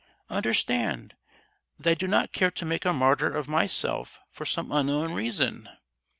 Understand, that I do not care to make a martyr of myself for some unknown reason!